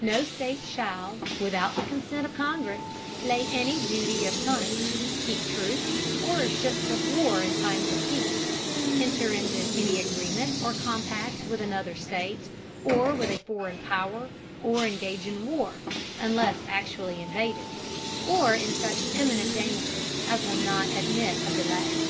No State shall, without the Consent of Congress, lay any Duty of Tonnage, keep Troops, or Ships of War in time of Peace, enter into any Agreement or Compact with another State, or with a foreign Power, or engage in War, unless actually invaded, or in such imminent Danger as will not admit of delay.